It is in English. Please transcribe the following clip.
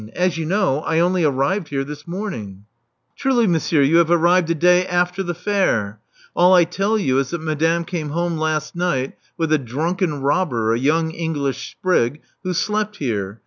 As you know, I only arrived here this morning." 366 Love Among the Artists Truly, monsieur, you have arrived a day after the fair. All I tell you is that madame came home last night with a drunken robber, a young English sprig, who slept here.